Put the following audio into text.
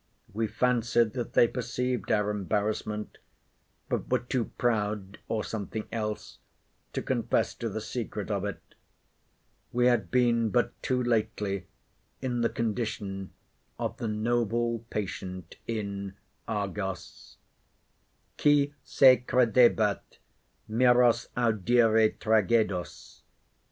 We fancied that they perceived our embarrassment; but were too proud, or something else, to confess to the secret of it. We had been but too lately in the condition of the noble patient in Argos: Qui se credebat miros audire tragoedos.